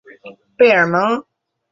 贝尔蒙。